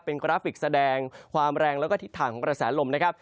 เป็นกราฟิกแสดงความแรงแล้วก็ทิศทางของกระแสลมนะครับ